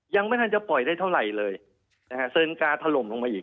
ยังไม่ทันจะปล่อยได้เท่าไหร่เลยนะฮะเซินกาถล่มลงมาอีก